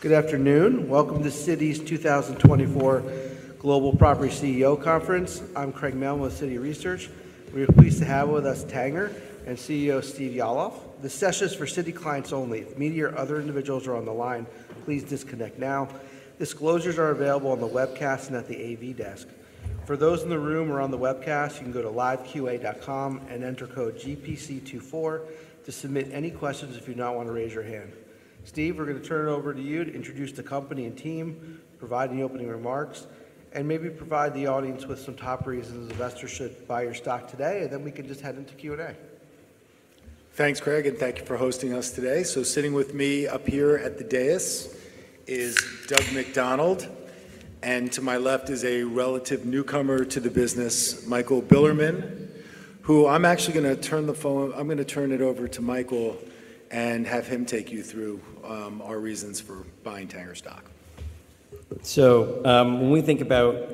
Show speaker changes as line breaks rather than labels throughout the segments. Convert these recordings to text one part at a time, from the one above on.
Good afternoon. Welcome to Citi's 2024 Global Property CEO Conference. I'm Craig Mailman with Citi Research. We are pleased to have with us Tanger and CEO Steve Yalof. This session is for Citi clients only. If me or other individuals are on the line, please disconnect now. Disclosures are available on the webcast and at the AV desk. For those in the room or on the webcast, you can go to LiveQA and enter code GPC24 to submit any questions if you do not want to raise your hand. Steve, we're going to turn it over to you to introduce the company and team, provide any opening remarks, and maybe provide the audience with some top reasons investors should buy your stock today, and then we can just head into Q&A.
Thanks, Craig, and thank you for hosting us today. So sitting with me up here at the dais is Doug McDonald, and to my left is a relative newcomer to the business, Michael Bilerman, who I'm actually going to turn it over to Michael and have him take you through our reasons for buying Tanger stock.
When we think about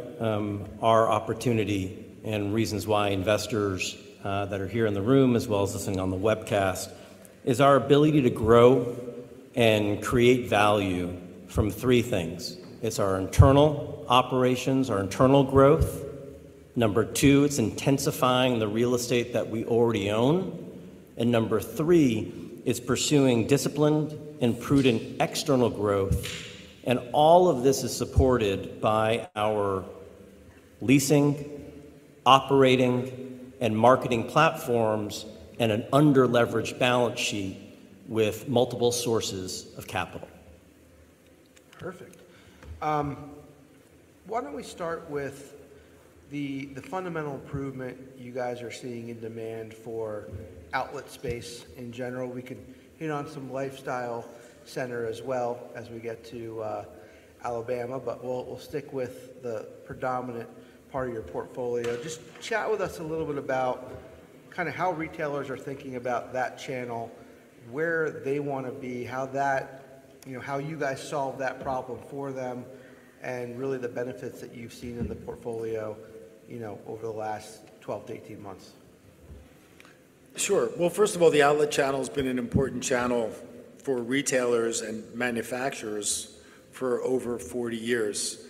our opportunity and reasons why investors that are here in the room as well as listening on the webcast, it's our ability to grow and create value from three things. It's our internal operations, our internal growth. Number two, it's intensifying the real estate that we already own. Number three, it's pursuing disciplined and prudent external growth. All of this is supported by our leasing, operating, and marketing platforms and an under-leveraged balance sheet with multiple sources of capital.
Perfect. Why don't we start with the fundamental improvement you guys are seeing in demand for outlet space in general? We could hit on some lifestyle center as well as we get to Alabama, but we'll stick with the predominant part of your portfolio. Just chat with us a little bit about kind of how retailers are thinking about that channel, where they want to be, how you guys solve that problem for them, and really the benefits that you've seen in the portfolio over the last 12-18 months.
Sure. Well, first of all, the outlet channel has been an important channel for retailers and manufacturers for over 40 years.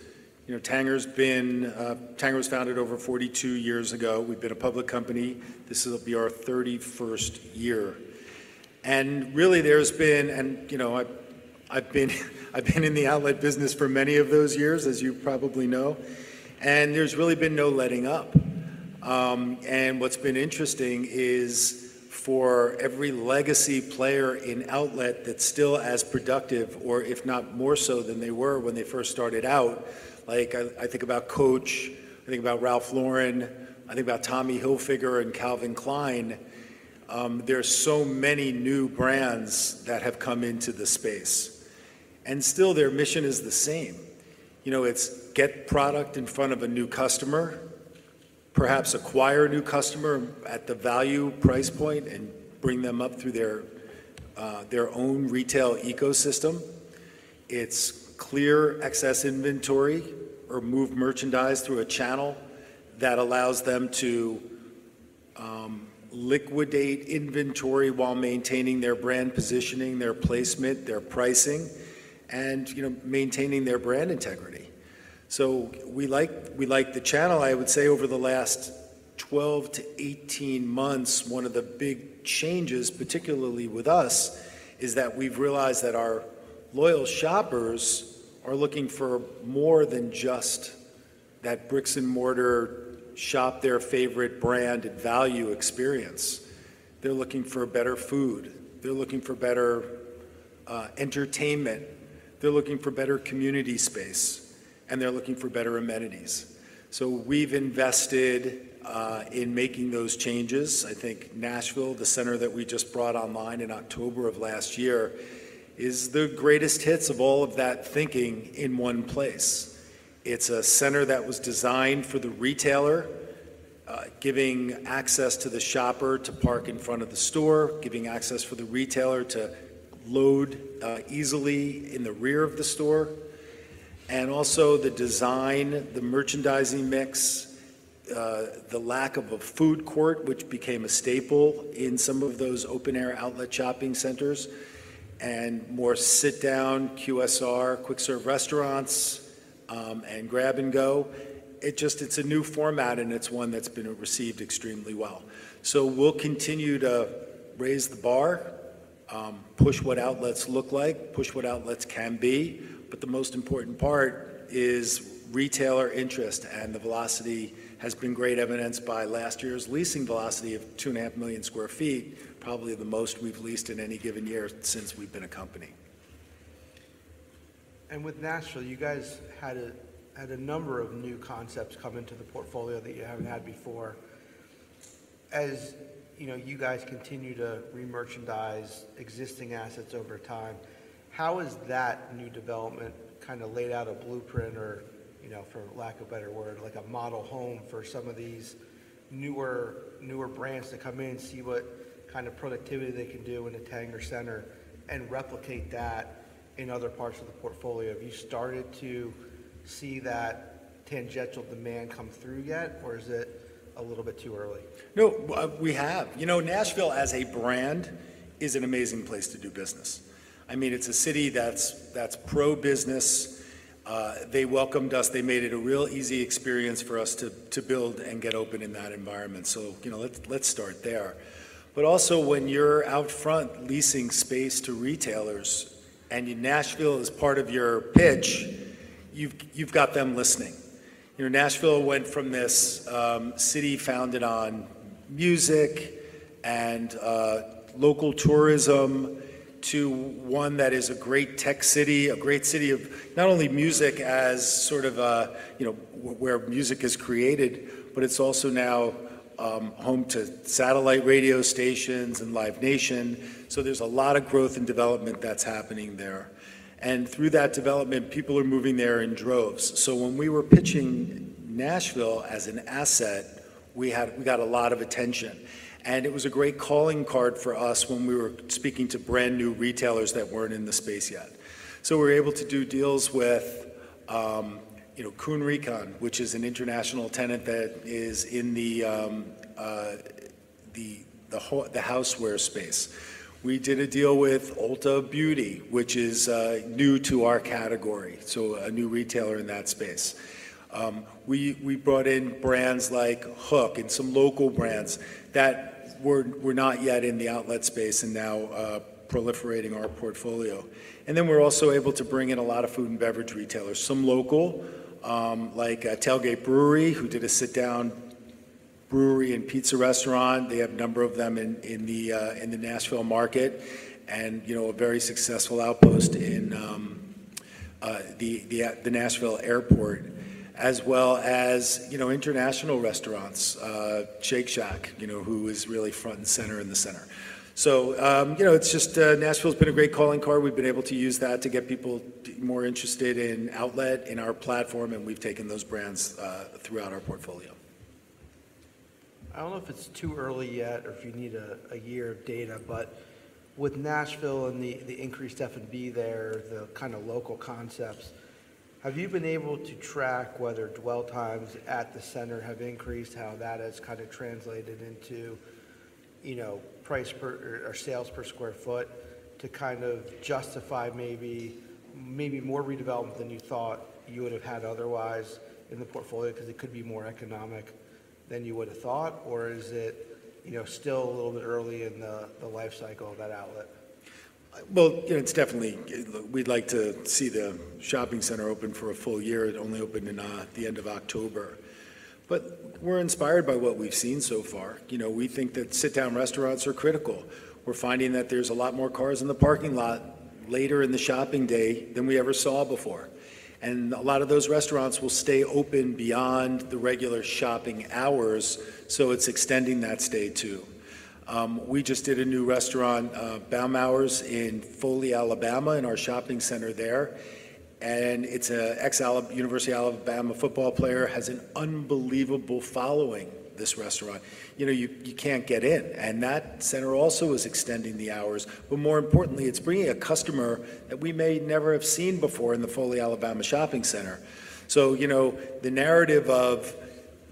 Tanger was founded over 42 years ago. We've been a public company. This will be our 31st year. And really, there's been and I've been in the outlet business for many of those years, as you probably know, and there's really been no letting up. And what's been interesting is for every legacy player in outlet that's still as productive or if not more so than they were when they first started out, like I think about Coach, I think about Ralph Lauren, I think about Tommy Hilfiger and Calvin Klein, there's so many new brands that have come into the space. And still, their mission is the same. to get product in front of a new customer, perhaps acquire a new customer at the value price point and bring them up through their own retail ecosystem. It’s to clear excess inventory or move merchandise through a channel that allows them to liquidate inventory while maintaining their brand positioning, their placement, their pricing, and maintaining their brand integrity. So we like the channel. I would say over the last 12-18 months, one of the big changes, particularly with us, is that we’ve realized that our loyal shoppers are looking for more than just that bricks-and-mortar shop, their favorite brand and value experience. They’re looking for better food. They’re looking for better entertainment. They’re looking for better community space, and they’re looking for better amenities. So we’ve invested in making those changes. I think Nashville, the center that we just brought online in October of last year, is the greatest hits of all of that thinking in one place. It's a center that was designed for the retailer, giving access to the shopper to park in front of the store, giving access for the retailer to load easily in the rear of the store, and also the design, the merchandising mix, the lack of a food court, which became a staple in some of those open-air outlet shopping centers, and more sit-down QSR, quick-serve restaurants, and grab-and-go. It's a new format, and it's one that's been received extremely well. So we'll continue to raise the bar, push what outlets look like, push what outlets can be. But the most important part is retailer interest, and the velocity has been great evidenced by last year's leasing velocity of 2.5 million sq ft, probably the most we've leased in any given year since we've been a company.
With Nashville, you guys had a number of new concepts come into the portfolio that you haven't had before. As you guys continue to remerchandise existing assets over time, how has that new development kind of laid out a blueprint or, for lack of a better word, a model home for some of these newer brands to come in, see what kind of productivity they can do in a Tanger center, and replicate that in other parts of the portfolio? Have you started to see that tangential demand come through yet, or is it a little bit too early?
No, we have. Nashville, as a brand, is an amazing place to do business. I mean, it's a city that's pro-business. They welcomed us. They made it a real easy experience for us to build and get open in that environment. So let's start there. But also, when you're out front leasing space to retailers and Nashville is part of your pitch, you've got them listening. Nashville went from this city founded on music and local tourism to one that is a great tech city, a great city of not only music as sort of where music is created, but it's also now home to satellite radio stations and Live Nation. So there's a lot of growth and development that's happening there. And through that development, people are moving there in droves. So when we were pitching Nashville as an asset, we got a lot of attention. It was a great calling card for us when we were speaking to brand new retailers that weren't in the space yet. So we were able to do deals with Kuhn Rikon, which is an international tenant that is in the houseware space. We did a deal with Ulta Beauty, which is new to our category, so a new retailer in that space. We brought in brands like Huk and some local brands that were not yet in the outlet space and now proliferating our portfolio. And then we're also able to bring in a lot of food and beverage retailers, some local like TailGate Brewery, who did a sit-down brewery and pizza restaurant. They have a number of them in the Nashville market and a very successful outpost in the Nashville airport, as well as international restaurants, Shake Shack, who is really front and center in the center. It's just Nashville has been a great calling card. We've been able to use that to get people more interested in outlet in our platform, and we've taken those brands throughout our portfolio.
I don't know if it's too early yet or if you need a year of data, but with Nashville and the increased F&B there, the kind of local concepts, have you been able to track whether dwell times at the center have increased, how that has kind of translated into price or sales per square foot to kind of justify maybe more redevelopment than you thought you would have had otherwise in the portfolio because it could be more economic than you would have thought? Or is it still a little bit early in the lifecycle of that outlet?
Well, it's definitely we'd like to see the shopping center open for a full year. It only opened in the end of October. But we're inspired by what we've seen so far. We think that sit-down restaurants are critical. We're finding that there's a lot more cars in the parking lot later in the shopping day than we ever saw before. And a lot of those restaurants will stay open beyond the regular shopping hours, so it's extending that stay too. We just did a new restaurant, Baumhower's, in Foley, Alabama, in our shopping center there. And it's a University of Alabama football player who has an unbelievable following this restaurant. You can't get in. And that center also is extending the hours. But more importantly, it's bringing a customer that we may never have seen before in the Foley, Alabama shopping center. So the narrative of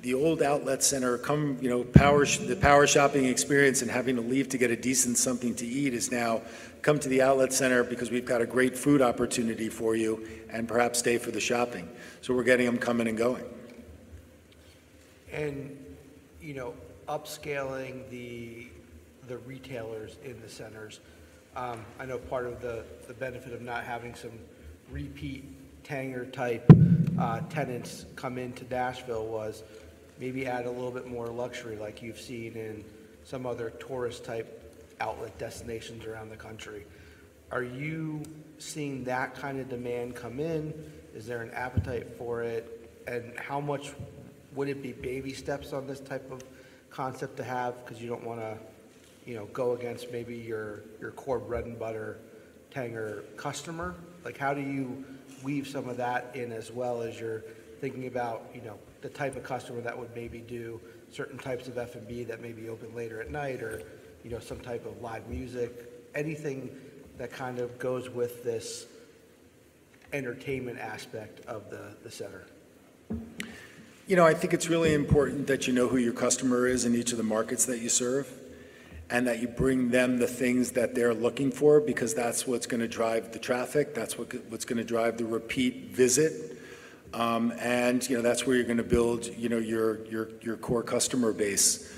the old outlet center, the power shopping experience and having to leave to get a decent something to eat has now come to the outlet center because we've got a great food opportunity for you and perhaps stay for the shopping. So we're getting them coming and going.
Upscaling the retailers in the centers. I know part of the benefit of not having some repeat Tanger-type tenants come into Nashville was maybe add a little bit more luxury like you've seen in some other tourist-type outlet destinations around the country. Are you seeing that kind of demand come in? Is there an appetite for it? And how much would it be baby steps on this type of concept to have because you don't want to go against maybe your core bread and butter Tanger customer? How do you weave some of that in as well as you're thinking about the type of customer that would maybe do certain types of F&B that may be open later at night or some type of live music, anything that kind of goes with this entertainment aspect of the center?
I think it's really important that you know who your customer is in each of the markets that you serve and that you bring them the things that they're looking for because that's what's going to drive the traffic. That's what's going to drive the repeat visit. That's where you're going to build your core customer base.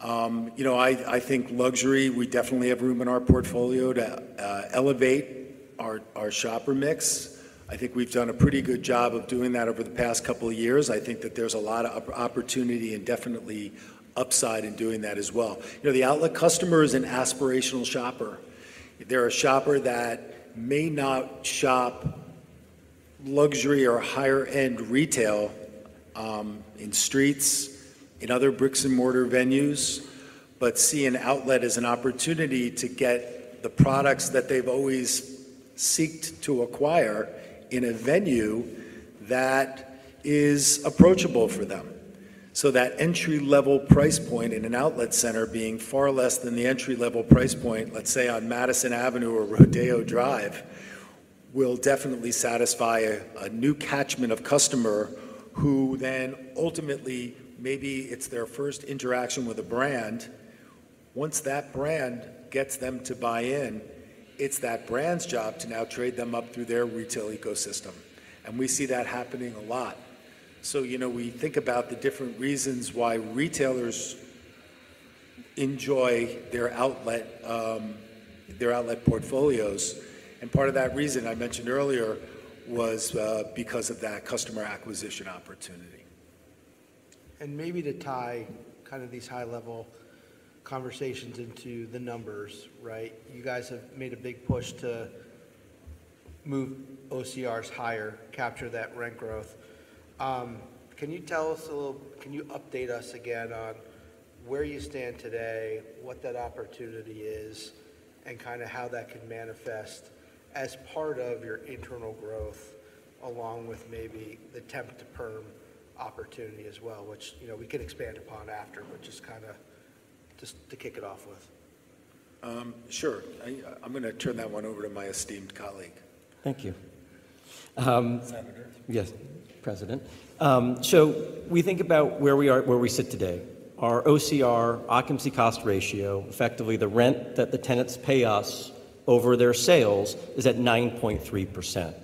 I think luxury, we definitely have room in our portfolio to elevate our shopper mix. I think we've done a pretty good job of doing that over the past couple of years. I think that there's a lot of opportunity and definitely upside in doing that as well. The outlet customer is an aspirational shopper. They're a shopper that may not shop luxury or higher-end retail in streets, in other brick-and-mortar venues, but see an outlet as an opportunity to get the products that they've always sought to acquire in a venue that is approachable for them. So that entry-level price point in an outlet center being far less than the entry-level price point, let's say, on Madison Avenue or Rodeo Drive, will definitely satisfy a new catchment of customer who then ultimately, maybe it's their first interaction with a brand. Once that brand gets them to buy in, it's that brand's job to now trade them up through their retail ecosystem. And we see that happening a lot. So we think about the different reasons why retailers enjoy their outlet portfolios. And part of that reason I mentioned earlier was because of that customer acquisition opportunity.
Maybe to tie kind of these high-level conversations into the numbers, right? You guys have made a big push to move OCRs higher, capture that rent growth. Can you update us again on where you stand today, what that opportunity is, and kind of how that can manifest as part of your internal growth along with maybe the temp-to-perm opportunity as well, which we can expand upon after, but just kind of to kick it off with?
Sure. I'm going to turn that one over to my esteemed colleague.
Thank you.
Senator?
Yes, President. So we think about where we sit today. Our OCR, occupancy cost ratio, effectively the rent that the tenants pay us over their sales, is at 9.3%.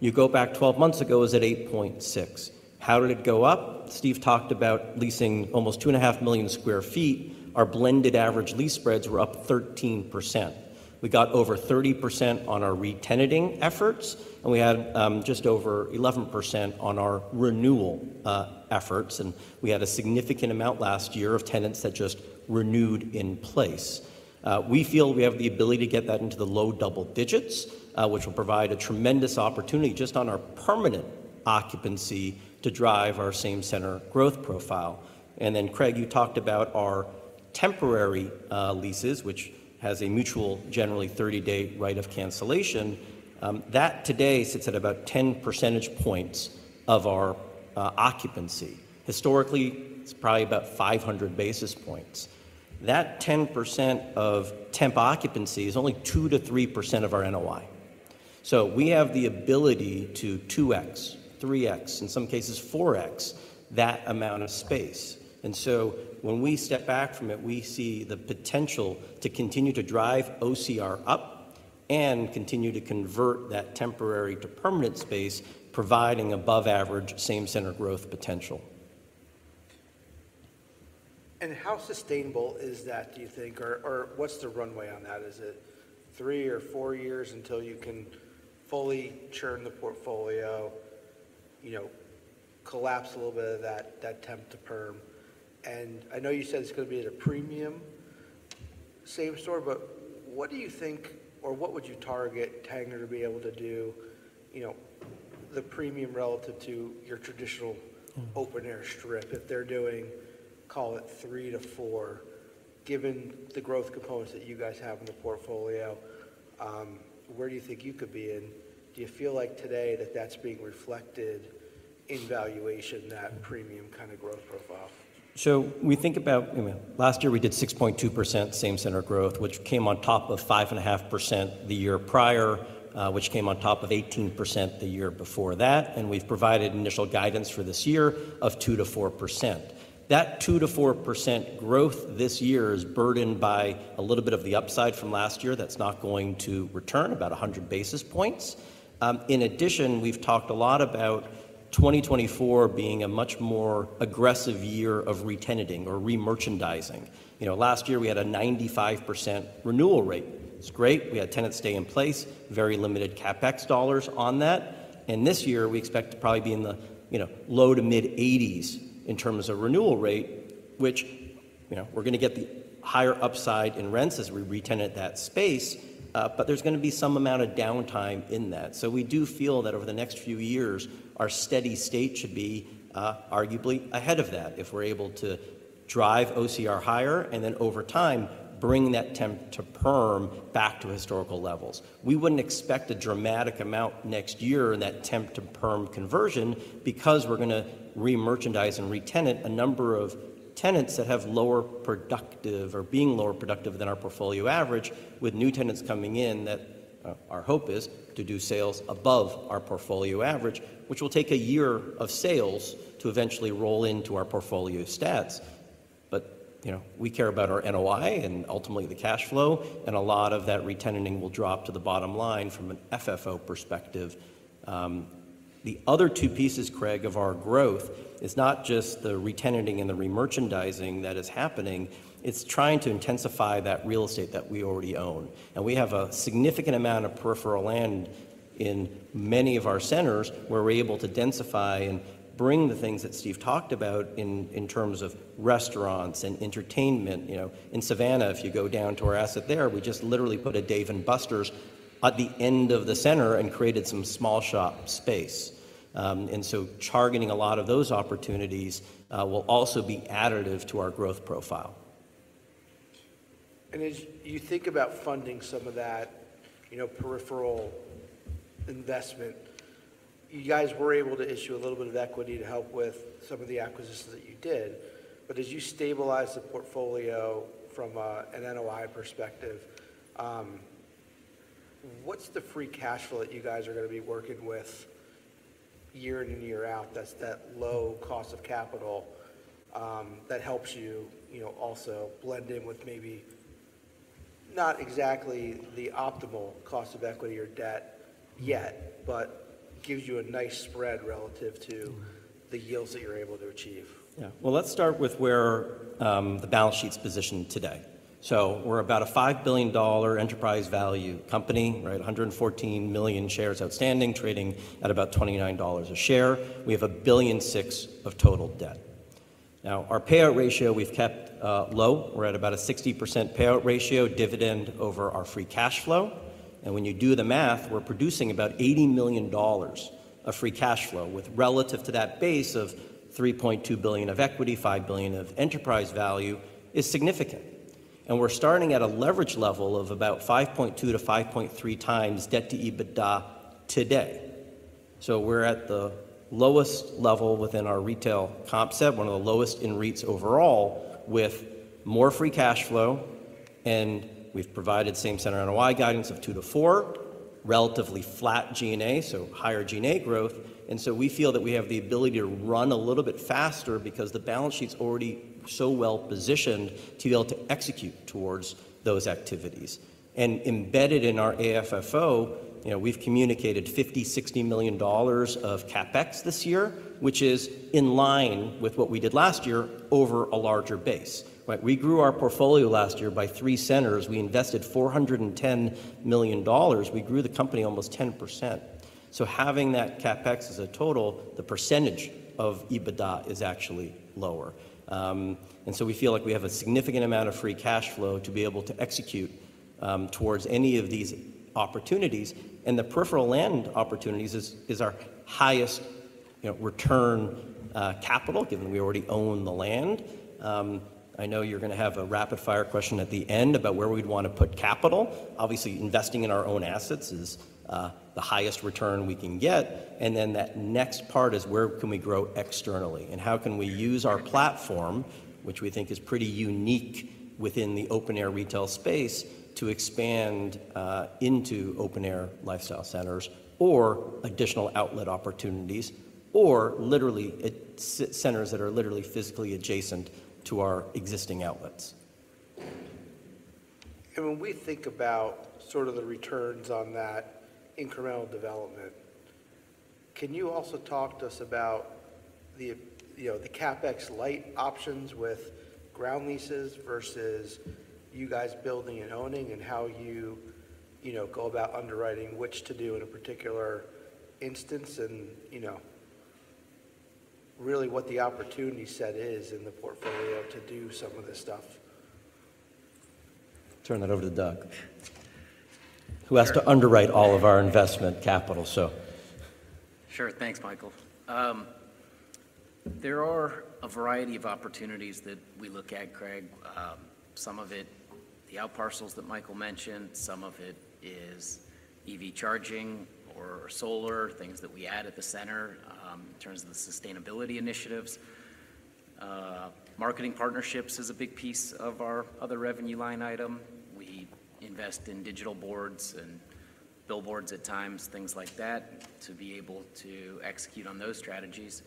You go back 12 months ago, it was at 8.6%. How did it go up? Steve talked about leasing almost 2.5 million sq ft. Our blended average lease spreads were up 13%. We got over 30% on our re-tenanting efforts, and we had just over 11% on our renewal efforts. And we had a significant amount last year of tenants that just renewed in place. We feel we have the ability to get that into the low double digits, which will provide a tremendous opportunity just on our permanent occupancy to drive our same-center growth profile. And then, Craig, you talked about our temporary leases, which has a mutual, generally 30-day right of cancellation. That today sits at about 10% points of our occupancy. Historically, it's probably about 500 basis points. That 10% of temp occupancy is only 2%-3% of our NOI. So we have the ability to 2x, 3x, in some cases, 4x that amount of space. And so when we step back from it, we see the potential to continue to drive OCR up and continue to convert that temporary to permanent space, providing above-average same-center growth potential.
How sustainable is that, do you think? Or what's the runway on that? Is it three or four years until you can fully churn the portfolio, collapse a little bit of that temp-to-perm? And I know you said it's going to be at a premium same-store, but what do you think or what would you target Tanger to be able to do, the premium relative to your traditional open-air strip, if they're doing, call it, three-four years, given the growth components that you guys have in the portfolio? Where do you think you could be in? Do you feel like today that that's being reflected in valuation, that premium kind of growth profile?
So we think about last year, we did 6.2% same-center growth, which came on top of 5.5% the year prior, which came on top of 18% the year before that. We've provided initial guidance for this year of 2%-4%. That 2%-4% growth this year is burdened by a little bit of the upside from last year that's not going to return, about 100 basis points. In addition, we've talked a lot about 2024 being a much more aggressive year of re-tenanting or remerchandising. Last year, we had a 95% renewal rate. It's great. We had tenants stay in place, very limited CapEx dollars on that. This year, we expect to probably be in the low- to mid-80s in terms of renewal rate, which we're going to get the higher upside in rents as we re-tenant that space, but there's going to be some amount of downtime in that. So we do feel that over the next few years, our steady state should be arguably ahead of that if we're able to drive OCR higher and then, over time, bring that temp-to-perm back to historical levels. We wouldn't expect a dramatic amount next year in that temp-to-perm conversion because we're going to remerchandise and re-tenant a number of tenants that have lower productive or being lower productive than our portfolio average with new tenants coming in that our hope is to do sales above our portfolio average, which will take a year of sales to eventually roll into our portfolio stats. But we care about our NOI and ultimately the cash flow, and a lot of that re-tenanting will drop to the bottom line from an FFO perspective. The other two pieces, Craig, of our growth is not just the re-tenanting and the remerchandising that is happening. It's trying to intensify that real estate that we already own. And we have a significant amount of peripheral land in many of our centers where we're able to densify and bring the things that Steve talked about in terms of restaurants and entertainment. In Savannah, if you go down to our asset there, we just literally put a Dave & Buster's at the end of the center and created some small shop space. And so targeting a lot of those opportunities will also be additive to our growth profile.
As you think about funding some of that peripheral investment, you guys were able to issue a little bit of equity to help with some of the acquisitions that you did. As you stabilize the portfolio from an NOI perspective, what's the free cash flow that you guys are going to be working with year in and year out, that low cost of capital that helps you also blend in with maybe not exactly the optimal cost of equity or debt yet, but gives you a nice spread relative to the yields that you're able to achieve?
Yeah. Well, let's start with where the balance sheet's positioned today. So we're about a $5 billion enterprise value company, right? 114 million shares outstanding, trading at about $29 a share. We have $1.6 billion of total debt. Now, our payout ratio, we've kept low. We're at about a 60% payout ratio dividend over our free cash flow. And when you do the math, we're producing about $80 million of free cash flow. With relative to that base of $3.2 billion of equity, $5 billion of enterprise value, is significant. And we're starting at a leverage level of about 5.2x-5.3x debt-to-EBITDA today. So we're at the lowest level within our retail comp set, one of the lowest in REITs overall with more free cash flow. And we've provided same-center NOI guidance of 2%-4%, relatively flat G&A, so higher G&A growth. So we feel that we have the ability to run a little bit faster because the balance sheet's already so well positioned to be able to execute towards those activities. Embedded in our AFFO, we've communicated $50 million-$60 million of CapEx this year, which is in line with what we did last year over a larger base, right? We grew our portfolio last year by three centers. We invested $410 million. We grew the company almost 10%. So having that CapEx as a total, the percentage of EBITDA is actually lower. We feel like we have a significant amount of free cash flow to be able to execute towards any of these opportunities. The peripheral land opportunities is our highest return capital, given that we already own the land. I know you're going to have a rapid-fire question at the end about where we'd want to put capital. Obviously, investing in our own assets is the highest return we can get. And then that next part is where can we grow externally? And how can we use our platform, which we think is pretty unique within the open-air retail space, to expand into open-air lifestyle centers or additional outlet opportunities or centers that are literally physically adjacent to our existing outlets?
When we think about sort of the returns on that incremental development, can you also talk to us about the CapEx light options with ground leases versus you guys building and owning and how you go about underwriting which to do in a particular instance and really what the opportunity set is in the portfolio to do some of this stuff?
Turn that over to Doug, who has to underwrite all of our investment capital, so.
Sure. Thanks, Michael. There are a variety of opportunities that we look at, Craig. Some of it, the out parcels that Michael mentioned. Some of it is EV charging or solar, things that we add at the center in terms of the sustainability initiatives. Marketing partnerships is a big piece of our other revenue line item. We invest in digital boards and billboards at times, things like that, to be able to execute on those strategies.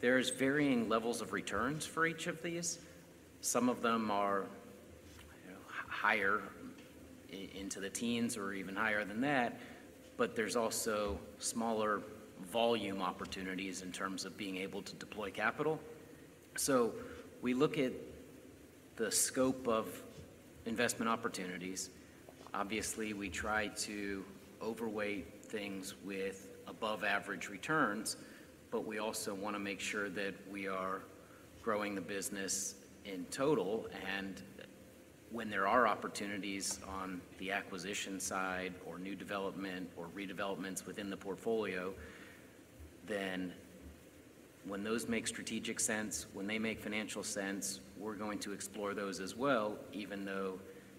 There's varying levels of returns for each of these. Some of them are higher into the teens or even higher than that. But there's also smaller volume opportunities in terms of being able to deploy capital. So we look at the scope of investment opportunities. Obviously, we try to overweight things with above-average returns. But we also want to make sure that we are growing the business in total. When there are opportunities on the acquisition side or new development or redevelopments within the portfolio, then when those make strategic sense, when they make financial sense, we're going to explore those as well, even though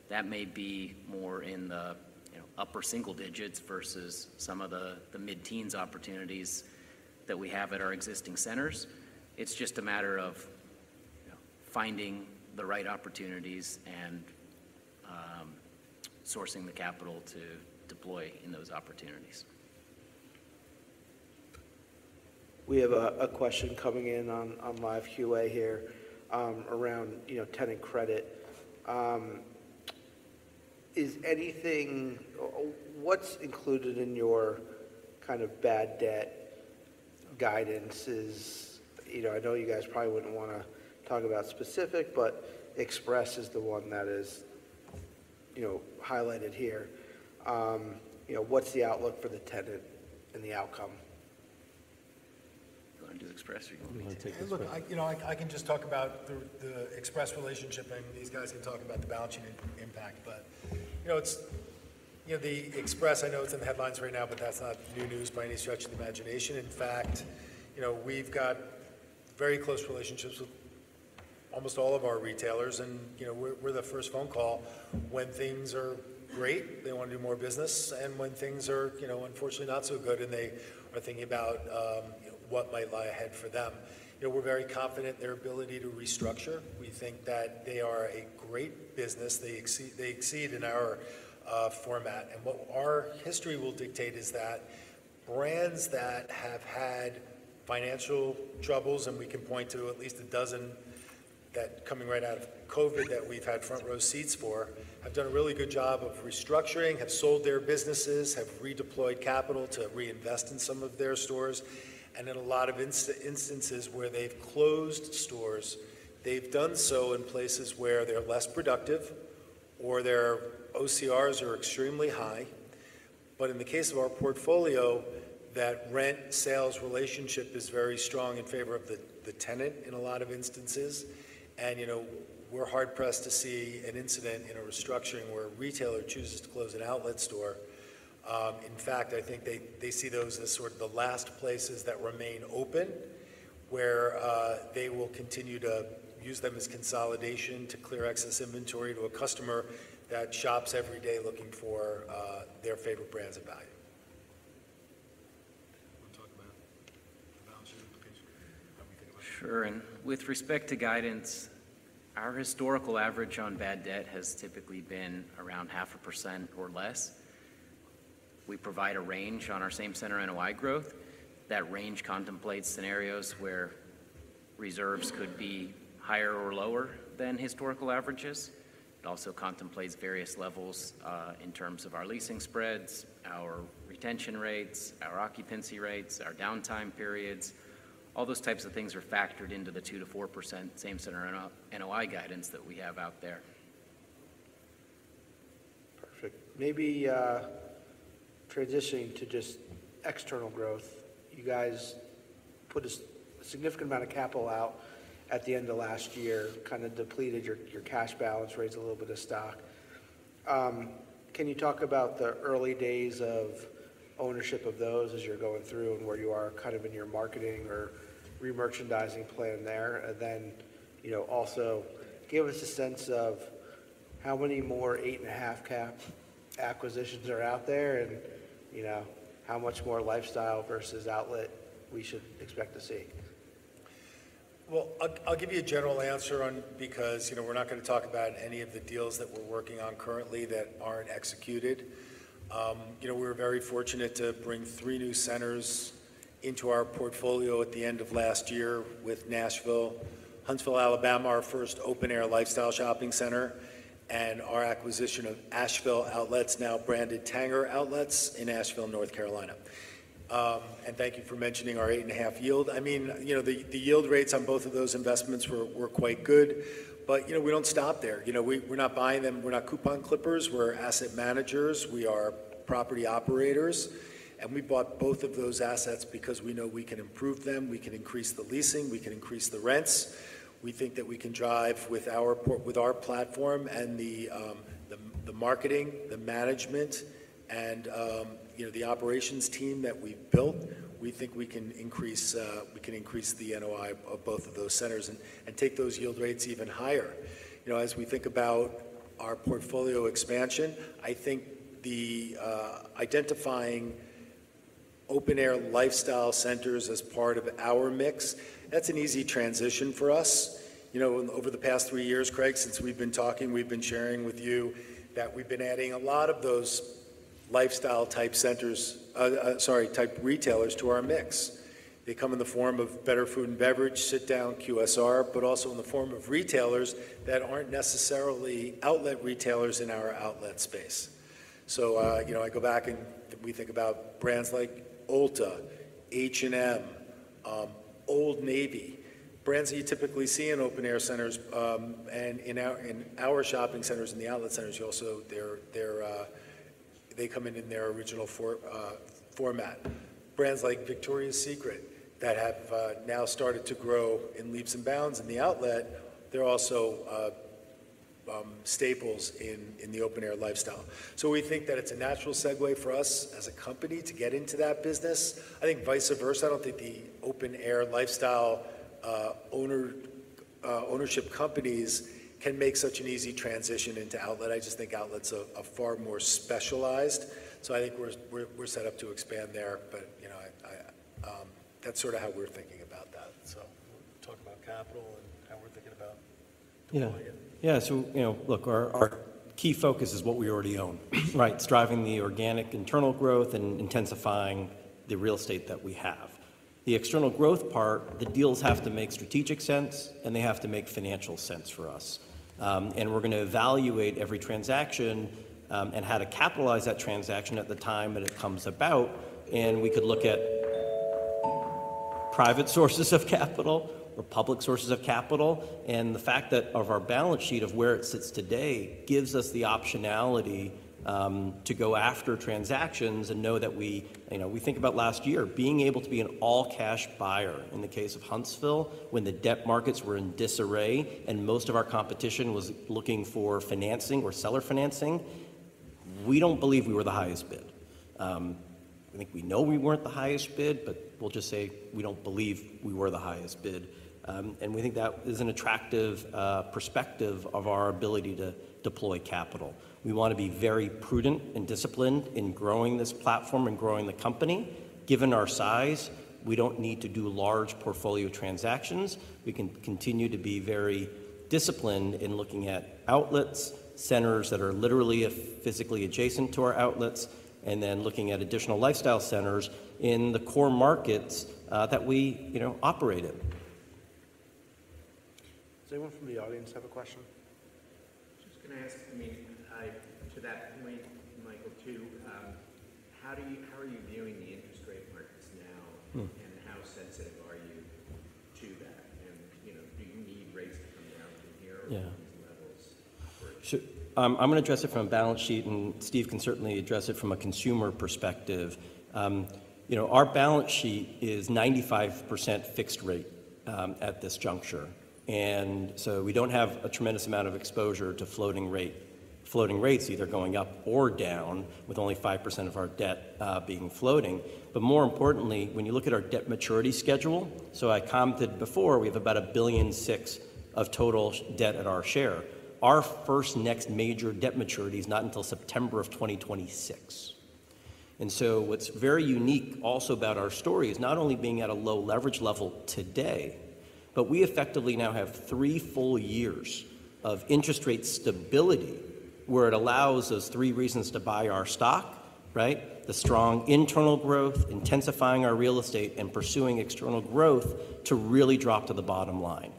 that may be more in the upper single digits versus some of the mid-teens opportunities that we have at our existing centers. It's just a matter of finding the right opportunities and sourcing the capital to deploy in those opportunities.
We have a question coming in on LiveQA here around tenant credit. Is anything what's included in your kind of bad debt guidance? I know you guys probably wouldn't want to talk about specific, but Express is the one that is highlighted here. What's the outlook for the tenant and the outcome?
Do you want to do Express or do you want me to take this one?
Look, I can just talk about the Express relationship, and these guys can talk about the balance sheet impact. But the Express, I know it's in the headlines right now, but that's not new news by any stretch of the imagination. In fact, we've got very close relationships with almost all of our retailers. And we're the first phone call when things are great, they want to do more business, and when things are, unfortunately, not so good, and they are thinking about what might lie ahead for them. We're very confident in their ability to restructure. We think that they are a great business. They exceed in our format. What our history will dictate is that brands that have had financial troubles, and we can point to at least a dozen that, coming right out of COVID, that we've had front-row seats for, have done a really good job of restructuring, have sold their businesses, have redeployed capital to reinvest in some of their stores. In a lot of instances where they've closed stores, they've done so in places where they're less productive or their OCRs are extremely high. But in the case of our portfolio, that rent-sales relationship is very strong in favor of the tenant in a lot of instances. We're hard-pressed to see an incident in a restructuring where a retailer chooses to close an outlet store. In fact, I think they see those as sort of the last places that remain open where they will continue to use them as consolidation to clear excess inventory to a customer that shops every day looking for their favorite brands of value.
Want to talk about the balance sheet implications? How do we think about that?
Sure. With respect to guidance, our historical average on bad debt has typically been around 0.5% or less. We provide a range on our same-center NOI growth. That range contemplates scenarios where reserves could be higher or lower than historical averages. It also contemplates various levels in terms of our leasing spreads, our retention rates, our occupancy rates, our downtime periods. All those types of things are factored into the 2%-4% same-center NOI guidance that we have out there.
Perfect. Maybe transitioning to just external growth. You guys put a significant amount of capital out at the end of last year, kind of depleted your cash balance, raised a little bit of stock. Can you talk about the early days of ownership of those as you're going through and where you are kind of in your marketing or remerchandising plan there? And then also give us a sense of how many more 8.5 cap acquisitions are out there and how much more lifestyle versus outlet we should expect to see.
Well, I'll give you a general answer because we're not going to talk about any of the deals that we're working on currently that aren't executed. We were very fortunate to bring three new centers into our portfolio at the end of last year with Nashville, Huntsville, Alabama, our first open-air lifestyle shopping center, and our acquisition of Asheville Outlets, now branded Tanger Outlets in Asheville, North Carolina. And thank you for mentioning our 8.5 yield. I mean, the yield rates on both of those investments were quite good. But we don't stop there. We're not buying them. We're not coupon clippers. We are asset managers. We are property operators. And we bought both of those assets because we know we can improve them. We can increase the leasing. We can increase the rents. We think that we can drive with our platform and the marketing, the management, and the operations team that we've built, we think we can increase the NOI of both of those centers and take those yield rates even higher. As we think about our portfolio expansion, I think the identifying open-air lifestyle centers as part of our mix, that's an easy transition for us. Over the past three years, Craig, since we've been talking, we've been sharing with you that we've been adding a lot of those lifestyle-type centers, sorry, type retailers, to our mix. They come in the form of Better Food and Beverage, Sit Down QSR, but also in the form of retailers that aren't necessarily outlet retailers in our outlet space. So I go back and we think about brands like Ulta, H&M, Old Navy, brands that you typically see in open-air centers. In our shopping centers and the outlet centers, they come in in their original format. Brands like Victoria's Secret that have now started to grow in leaps and bounds in the outlet, they're also staples in the open-air lifestyle. So we think that it's a natural segue for us as a company to get into that business. I think vice versa. I don't think the open-air lifestyle ownership companies can make such an easy transition into outlet. I just think outlets are far more specialized. So I think we're set up to expand there. But that's sort of how we're thinking about that, so.
Talk about capital and how we're thinking about deploying it.
Yeah. So look, our key focus is what we already own, right? It's driving the organic internal growth and intensifying the real estate that we have. The external growth part, the deals have to make strategic sense, and they have to make financial sense for us. And we're going to evaluate every transaction and how to capitalize that transaction at the time that it comes about. And we could look at private sources of capital or public sources of capital. And the fact that of our balance sheet of where it sits today gives us the optionality to go after transactions and know that we think about last year, being able to be an all-cash buyer in the case of Huntsville when the debt markets were in disarray and most of our competition was looking for financing or seller financing. We don't believe we were the highest bid. I think we know we weren't the highest bid, but we'll just say we don't believe we were the highest bid. We think that is an attractive perspective of our ability to deploy capital. We want to be very prudent and disciplined in growing this platform and growing the company. Given our size, we don't need to do large portfolio transactions. We can continue to be very disciplined in looking at outlets, centers that are literally physically adjacent to our outlets, and then looking at additional lifestyle centers in the core markets that we operate in.
Does anyone from the audience have a question?
Just going to ask, I mean, to that point, Michael, too, how are you viewing the interest rate markets now, and how sensitive are you to that? And do you need rates to come down from here or from these levels?
I'm going to address it from a balance sheet, and Steve can certainly address it from a consumer perspective. Our balance sheet is 95% fixed rate at this juncture. And so we don't have a tremendous amount of exposure to floating rates, either going up or down, with only 5% of our debt being floating. But more importantly, when you look at our debt maturity schedule, so I commented before, we have about $1.6 billion of total debt at our share. Our first next major debt maturity is not until September of 2026. And so what's very unique also about our story is not only being at a low leverage level today, but we effectively now have three full years of interest rate stability where it allows us three reasons to buy our stock, right? The strong internal growth, intensifying our real estate, and pursuing external growth to really drop to the bottom line.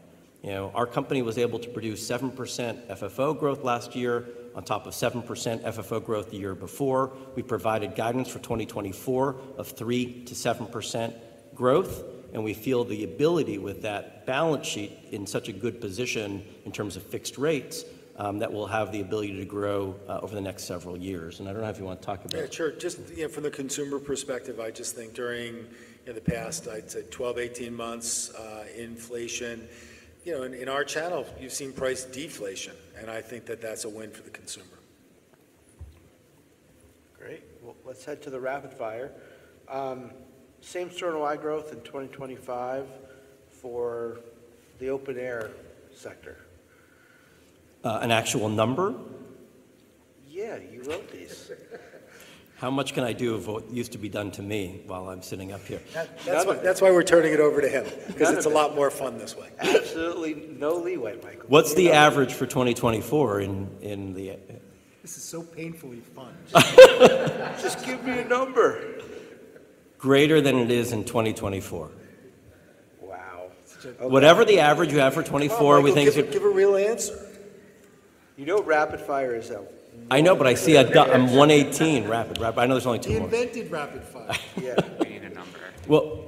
Our company was able to produce 7% FFO growth last year on top of 7% FFO growth the year before. We provided guidance for 2024 of 3%-7% growth. And we feel the ability with that balance sheet in such a good position in terms of fixed rates that we'll have the ability to grow over the next several years. And I don't know if you want to talk about.
Yeah, sure. Just from the consumer perspective, I just think during the past, I'd say 12-18 months, inflation in our channel, you've seen price deflation. I think that that's a win for the consumer.
Great. Well, let's head to the rapid fire. Same-store NOI growth in 2025 for the open-air sector.
An actual number?
Yeah, you wrote these.
How much can I do of what used to be done to me while I'm sitting up here?
That's why we're turning it over to him because it's a lot more fun this way.
Absolutely no leeway, Michael.
What's the average for 2024 in the?
This is so painfully fun. Just give me a number.
Greater than it is in 2024.
Wow.
Whatever the average you have for 2024, we think.
Give a real answer.
You know rapid fire is at.
I know, but I see I'm 118 rapid. I know there's only two more.
We invented rapid fire. Yeah.
Being a number.
Well,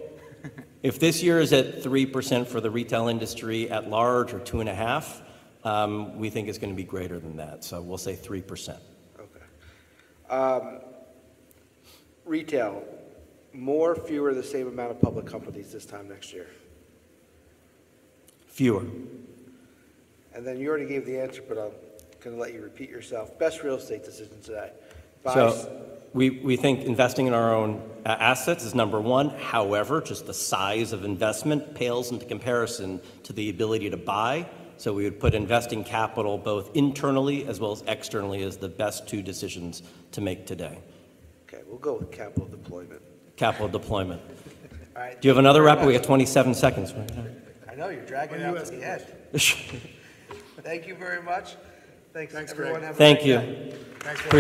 if this year is at 3% for the retail industry at large or 2.5%, we think it's going to be greater than that. So we'll say 3%.
Okay. Retail, more, fewer, the same amount of public companies this time next year?
Fewer.
And then you already gave the answer, but I'm going to let you repeat yourself. Best real estate decisions today.
So we think investing in our own assets is number one. However, just the size of investment pales in comparison to the ability to buy. So we would put investing capital both internally as well as externally as the best two decisions to make today.
Okay. We'll go with capital deployment.
Capital deployment.
All right.
Do you have another wrapper? We have 27 seconds.
I know. You're dragging out to the end. Thank you very much. Thanks, everyone. Thanks, Craig. Thank you.
Thanks, Michael.